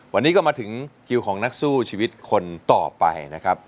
วันนี้ก็มาถึงคิวของนักสู้ชีวิตคนต่อไปนะครับ